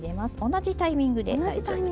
同じタイミングで大丈夫です。